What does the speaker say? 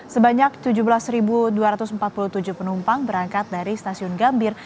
sebanyak tujuh belas dua ratus empat puluh tujuh penumpang berangkat dari stasiun gambir